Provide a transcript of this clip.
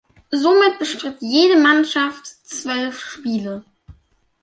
Somit bestritt jede Mannschaft zwölf Spiele.